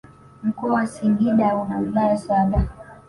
Mkoa wa singida una wilaya saba